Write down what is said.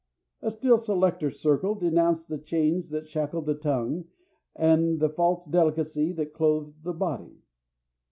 A still selecter circle denounced the chains that shackled the tongue and the false delicacy that clothed the body.